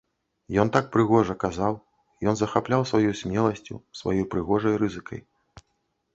Ён так прыгожа казаў, ён захапляў сваёй смеласцю, сваёй прыгожай рызыкай.